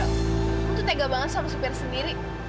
aku tuh tega banget sama supir sendiri